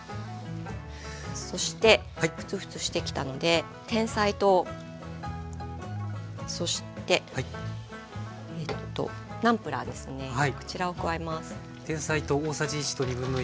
そしてフツフツしてきたのでてんさい糖そしてナムプラーですねこちらを加えます。